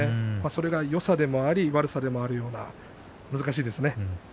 それはよさでも悪さでもある難しいですね。